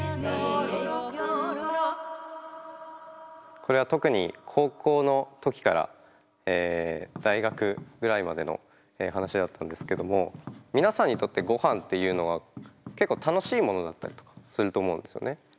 これは特に高校の時から大学ぐらいまでの話だったんですけども皆さんにとってごはんっていうのは結構楽しいものだったりとかすると思うんですよね。